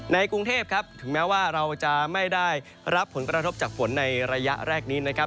กรุงเทพครับถึงแม้ว่าเราจะไม่ได้รับผลกระทบจากฝนในระยะแรกนี้นะครับ